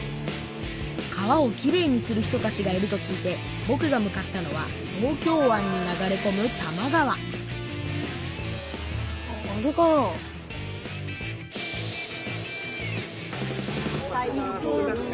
川をきれいにする人たちがいると聞いてぼくが向かったのは東京湾に流れこむ多摩川あっあれかな？